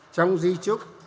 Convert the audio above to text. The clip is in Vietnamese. trong di trúc